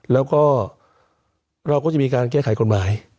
แล้วก็เราก็จะมีการแก้ไขกฎหมาย